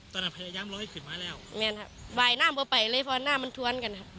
ตอนนั้นพยายามร้อยขึ้นมาแล้วแม่นครับวายน่ามาไปเลยเพราะว่าน่ามันทวนกันครับ